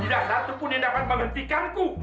tidak satupun yang dapat menghentikanku